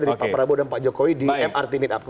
dari pak prabowo dan pak jokowi di mrt meet up